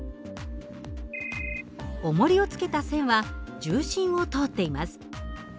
おもりを付けた線は重心を通っています。